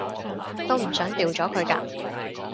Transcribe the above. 都唔想掉咗佢㗎